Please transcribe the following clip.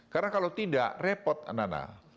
karena kalau tidak repot anak anak